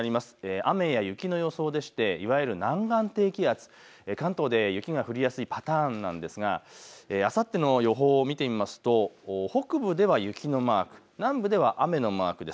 雨や雪の予想でしていわゆる南岸低気圧、関東で雪が降りやすいパターンなんですがあさっての予報を見てみますと北部では雪のマーク、南部では雨のマークです。